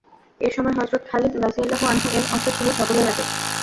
এ সময় হযরত খালিদ রাযিয়াল্লাহু আনহু-এর অশ্ব ছিল সকলের আগে।